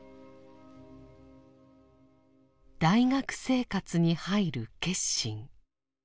「大学生活に入る決心」。